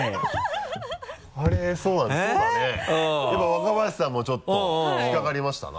若林さんもちょっと引っかかりましたな。